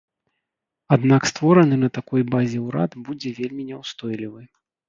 Аднак створаны на такой базе ўрад будзе вельмі няўстойлівы.